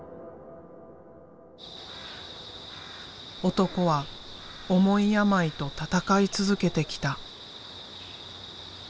男は重い病と闘い続けてきた。